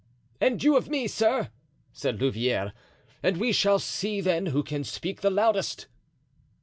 "And you of me, sir," said Louvieres; "and we shall see then who can speak the loudest."